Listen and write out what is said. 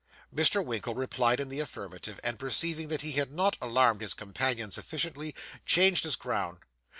Mr. Winkle replied in the affirmative; and perceiving that he had not alarmed his companion sufficiently, changed his ground.